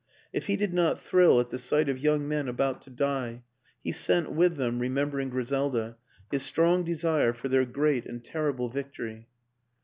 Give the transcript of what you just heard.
If he did not thrill at the sight of young men about to die, he sent with them (remembering Griselda) his strong desire for their great and terrible victory.